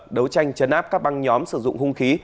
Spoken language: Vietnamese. đấu tranh chấn áp các băng nhóm sử dụng hung khí